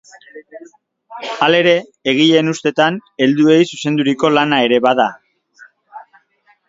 Halere, egileen ustetan, helduei zuzenduriko lana ere bada.